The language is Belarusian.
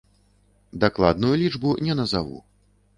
Дакладную лічбу не назаву.